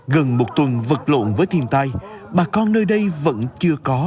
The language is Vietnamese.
gần một tuần vật lộn với thiên tai bà con nơi đây vẫn chưa có